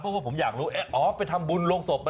เพราะผมอยากรู้อ้อต้องไปทำบุญลงศพ